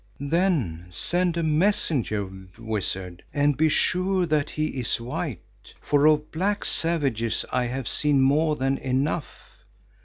"'Then send a messenger, Wizard, and be sure that he is white, for of black savages I have seen more than enough.